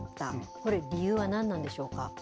これ、理由は何なんでしょうか。